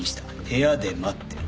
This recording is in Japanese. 部屋で待ってる」